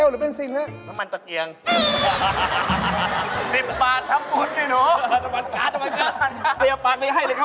เอาแล้วเป็นเรื่องแล้วหมอน้ำมัน